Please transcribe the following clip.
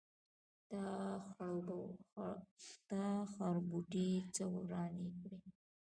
تا خربوټي څه ورانی کړی.